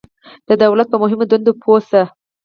د دولت په مهمو دندو پوه شئ.